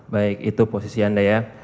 baik itu posisi anda ya